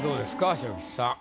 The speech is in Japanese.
昇吉さん。